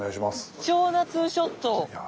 貴重なツーショット。